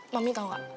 mam ini tau gak